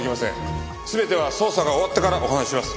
全ては捜査が終わってからお話しします。